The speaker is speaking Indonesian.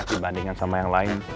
dibandingkan sama yang lain